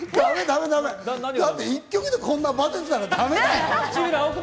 だって１曲でこんなバテてたらだめよ。